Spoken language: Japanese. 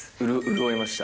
潤いました。